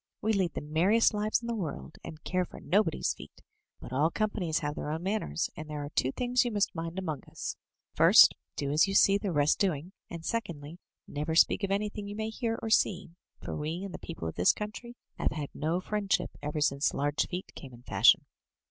"We lead the merriest lives in the world, and care for nobody's feet; but all companies have their own manners, and there are two things you must mind among us: first, do as you see the rest doing; and secondly, never speak of anything you may hear or see, for we and the people of this country have had no friend ship ever since large feet came in fashion.'